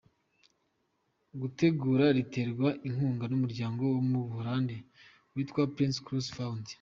gutegura riterwa ingunga numuryango wo mu Buholandi witwa Prince Claus Fund.